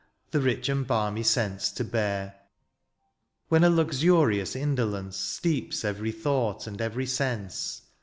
The rich and balmy scents to bear ;— Wlien a luxurious indolence Steeps every thought and every sense.